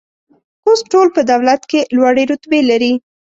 اوس ټول په دولت کې لوړې رتبې لري